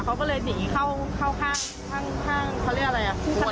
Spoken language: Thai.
เขาก็เลยหนีเข้าข้างผู้ขนาน